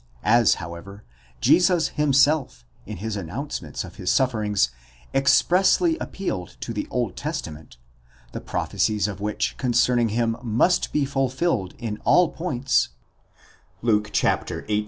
As, however, Jesus himself, in his announcements of his. sufferings, expressly appealed to the Old Testament, the prophecies of which concerning him must be fulfilled in all points (Luke xviii.